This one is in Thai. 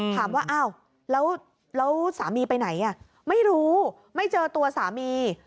ถามว่าอ้าวแล้วสามีไปไหนไม่รู้ไม่เจอตัวสามี